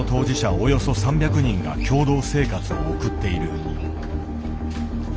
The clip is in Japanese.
およそ３００人が共同生活を送っている。